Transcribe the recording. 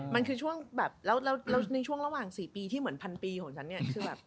มันคือช่วงแบบแล้วในช่วงระหว่าง๔ปีที่เหมือนพันปีของฉันเนี่ยคือแบบ